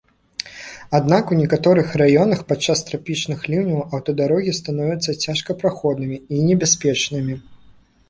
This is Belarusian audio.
Аднак, у некаторых раёнах падчас трапічных ліўняў аўтадарогі становяцца цяжкапраходнымі і небяспечнымі.